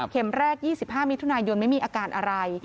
แรก๒๕มิถุนายนไม่มีอาการอะไร